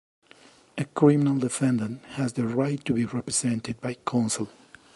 A criminal defendant has the right to be represented by counsel.